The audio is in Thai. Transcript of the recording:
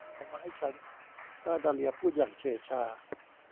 เอามาให้ฉัน ป้าดาเลียพูดอย่างเฉื่อยชา